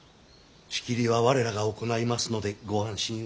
仕切りは我らが行いますのでご安心を。